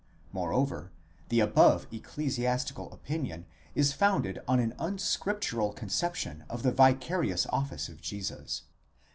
Moreover, the above ecclesiastical opinion is founded on an unscriptural conception of the vicarious office of Jesus.